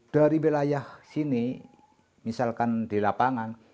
dari wilayah sini misalkan di lapangan